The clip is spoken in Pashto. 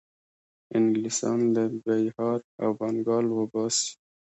انګلیسیان له بیهار او بنګال وباسي.